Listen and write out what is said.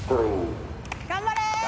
・頑張れ！